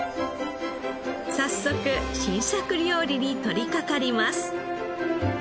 早速新作料理にとりかかります。